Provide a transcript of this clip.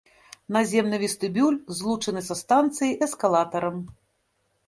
Наземны вестыбюль злучаны са станцыяй эскалатарам.